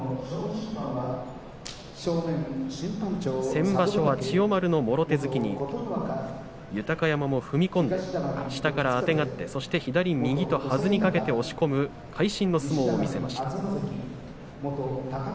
先場所は千代丸のもろ手突きに豊山も踏み込んで下からあてがってそして左に右とはずにかけて押し込む会心の相撲を見せました。